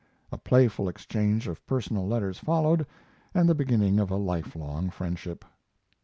A playful exchange of personal letters followed, and the beginning of a lifelong friendship.